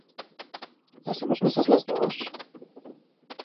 Las hemos mesas las dos?